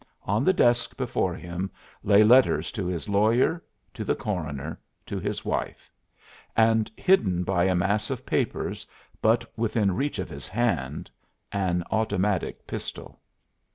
On the desk before him lay letters to his lawyer, to the coroner, to his wife; and hidden by a mass of papers, but within reach of his hand, an automatic pistol.